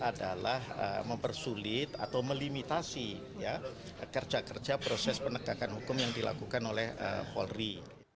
adalah mempersulit atau melimitasi kerja kerja proses penegakan hukum yang dilakukan oleh polri